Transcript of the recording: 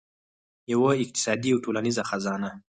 یوه اقتصادي او ټولنیزه خزانه.